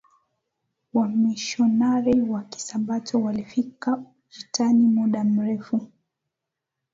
Wamisionari wa Kisabato walifika Ujitani muda mrefu